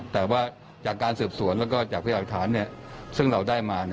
แต่ว่าจากการสืบสวนแล้วก็จากพยายามหลักฐานซึ่งเราได้มา